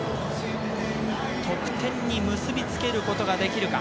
得点に結びつけることができるか。